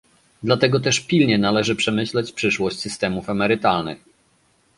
Dlatego też pilnie należy przemyśleć przyszłość systemów emerytalnych